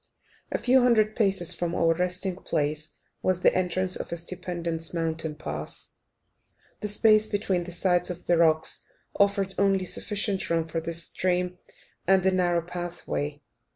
A few hundred paces from our resting place was the entrance of a stupendous mountain pass. The space between the sides of the rocks afforded only sufficient room for the stream and a narrow pathway.